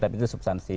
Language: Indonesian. tapi itu subsansi